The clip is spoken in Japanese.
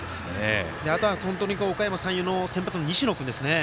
あとは、おかやま山陽の先発の西野君ですね。